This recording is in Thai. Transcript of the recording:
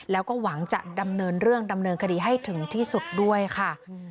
แล้วก็หวังจะดำเนินเรื่องดำเนินคดีให้ถึงที่สุดด้วยค่ะ